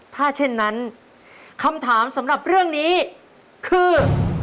ถ้าเช่นนั้นคำถามสำหรับเรื่องนี้คือ